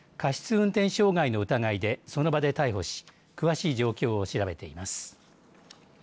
運転傷害の疑いでその場で逮捕し詳しい状況を調べています。